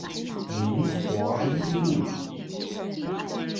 明華一路